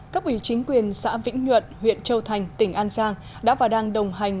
cấp ủy chính quyền xã vĩnh nhuận huyện châu thành tỉnh an giang đã và đang đồng hành